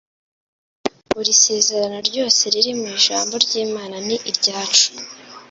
Buri sezerano ryose riri mu ijambo ry'Imana ni iryacu